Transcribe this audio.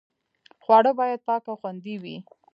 خواړه باید پاک او خوندي وي.